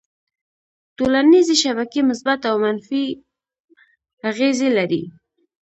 ټولنیزې شبکې مثبت او منفي اغېزې لري.